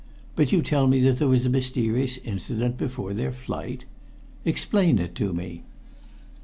But you tell me that there was a mysterious incident before their flight. Explain it to me."